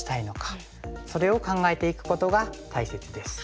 それを考えていくことが大切です。